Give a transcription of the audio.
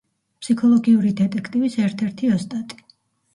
ფსიქოლოგიური დეტექტივის ერთ–ერთი ოსტატი.